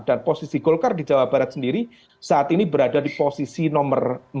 dan posisi golkar di jawa barat sendiri saat ini berada di posisi nomor empat